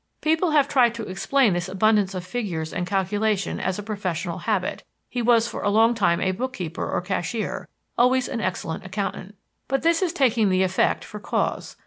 People have tried to explain this abundance of figures and calculation as a professional habit he was for a long time a bookkeeper or cashier, always an excellent accountant. But this is taking the effect for cause.